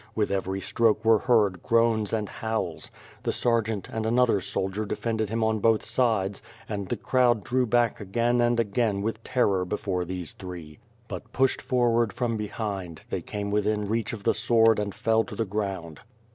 With every stroke were heard groans and howls. The sergeant and another soldier defended him on both sides, and the crowd drew back again and again with terror before these three. But, pushed forward from behind, they came within reach of the sword and fell to the ground.